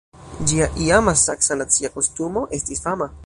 Ĝia iama saksa nacia kostumo estis fama.